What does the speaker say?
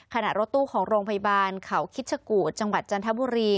รถตู้ของโรงพยาบาลเขาคิดชะกูดจังหวัดจันทบุรี